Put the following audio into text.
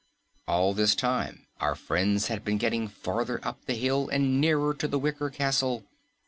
All this time our friends had been getting farther up the hill and nearer to the wicker castle.